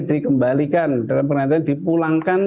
dikembalikan dalam pengertian yang lain